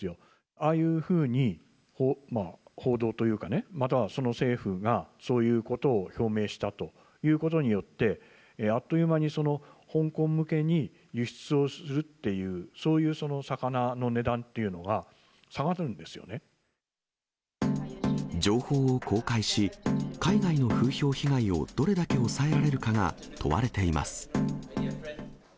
ああいうふうに報道というかね、またはその政府が、そういうことを表明したということによって、あっという間に香港向けに輸出をするっていう、そういう魚の値段情報を公開し、海外の風評被害をどれだけ抑えられるかが、問われています。